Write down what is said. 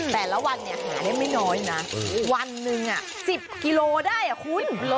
แต่ละวันเนี่ยหาได้ไม่น้อยนะวันหนึ่ง๑๐กิโลได้อ่ะคุณ